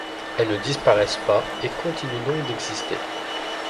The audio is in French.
Elles ne disparaissent pas, et continuent donc d’exister.